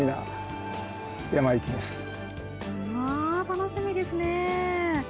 楽しみですね